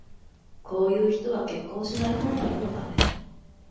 こういう人は結婚しないほうが世のため